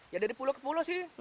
ya dari pulau ke pulau sih